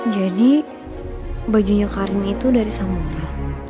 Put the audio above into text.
jadi bajunya karin itu dari sama lo